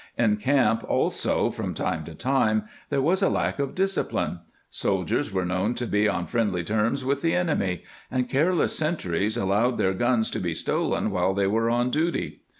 ^ In camp also, from time to time, there was a lack of discipline ; sol diers were known to be on friendly terms with the enemy,^ and careless sentries allowed their guns to be stolen while they were on duty.